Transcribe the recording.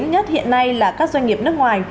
nhất hiện nay là các doanh nghiệp nước ngoài